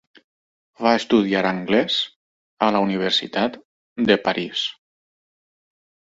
Va estudiar anglès a la Universitat de París.